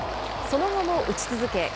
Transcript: その後も打ち続け